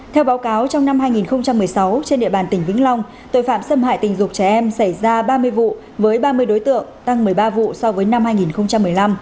theo báo cáo trong năm hai nghìn một mươi sáu trên địa bàn tỉnh vĩnh long tội phạm xâm hại tình dục trẻ em xảy ra ba mươi vụ với ba mươi đối tượng tăng một mươi ba vụ so với năm hai nghìn một mươi năm